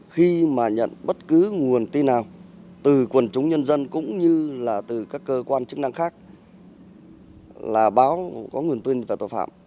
khi mà nhận bất cứ nguồn tin nào từ quần chúng nhân dân cũng như là từ các cơ quan chức năng khác là báo có nguồn tin về tội phạm